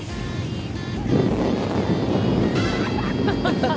「ハハハハ！」